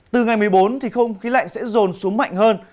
từ ngày một mươi bốn không khí lạnh sẽ dồn xuống phía nam